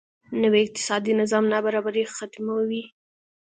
نوی اقتصادي نظام نابرابري ختموي.